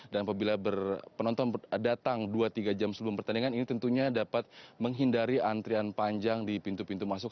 dan apabila penonton datang dua atau tiga jam sebelum pertandingan ini tentunya dapat menghindari antrian panjang di pintu pintu masuk